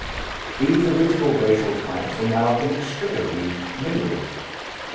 These original racial types are now inextricably mingled.